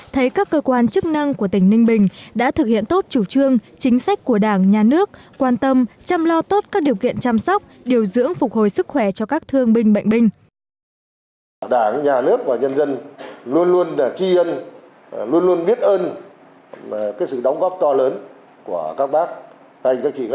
thấy các cơ quan chức năng của tỉnh ninh bình đã thực hiện tốt chủ trương chính sách của đảng nhà nước quan tâm chăm lo tốt các điều kiện chăm sóc điều dưỡng phục hồi sức khỏe cho các thương binh bệnh binh